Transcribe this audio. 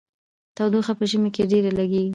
تودوخه په ژمي کې ډیره لګیږي.